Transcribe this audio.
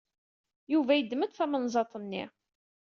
Yuba yeddem-d tamenzaḍt-nni.